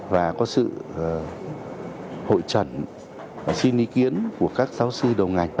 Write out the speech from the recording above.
và có sự hội trận xin ý kiến của các giáo sư đầu ngành